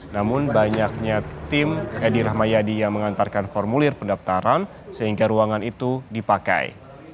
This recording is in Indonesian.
namun banyaknya tim edi rahmayadi yang mengantarkan formulir pendaftaran sehingga ruangan itu dipakai